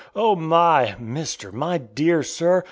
Oh my! Mister, my dear sir!